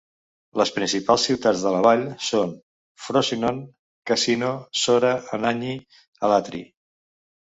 Les principals ciutats de la vall són Frosinone, Cassino, Sora, Anagni, Alatri.